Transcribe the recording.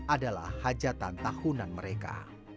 adalah hajatan tahunan mereka